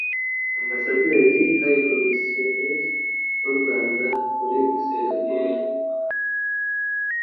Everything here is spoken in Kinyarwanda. Ambasaderi (High Commissioner) w’u Rwanda muri Singapore